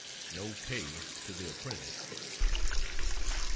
No pay to the apprentice.